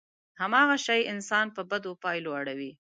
هماغه شی انسان په بدو پايلو اړوي.